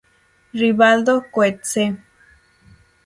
Rivaldo Coetzee